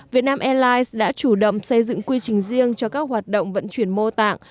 việt nam airlines đã chủ động xây dựng quy trình riêng cho các hoạt động vận chuyển mô tạng